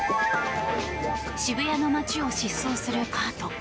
渋谷の街を疾走するカート。